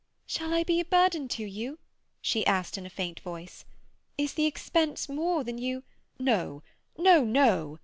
"Shall I be a burden to you?" she asked in a faint voice. "Is the expense more than you—" "No, no, no!